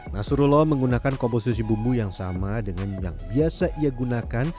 nasrullah menggunakan komposisi bumbu yang sama dengan yang biasa ia gunakan